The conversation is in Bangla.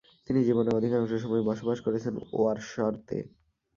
তিনি জীবনের অধিকাংশ সময়ই বসবাস করেছেন ওয়ারশতে।